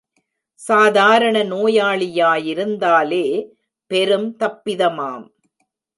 சாதாரண நோயாளியாயிருந்தாலே பெரும் தப்பிதமாம்.